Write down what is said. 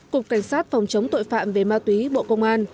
cục cảnh sát phòng chống tội phạm về ma túy bộ công an